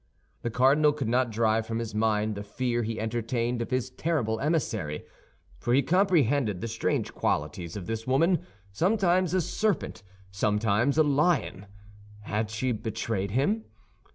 The cardinal could not drive from his mind the fear he entertained of his terrible emissary—for he comprehended the strange qualities of this woman, sometimes a serpent, sometimes a lion. Had she betrayed him?